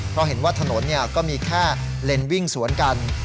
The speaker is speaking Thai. เพราะเห็นว่าถนนก็มีแค่เลนส์วิ่งสวนกัน